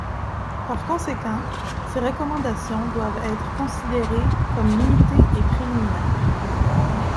Par conséquent, ces recommandations doivent être considérées comme limitées et préliminaires.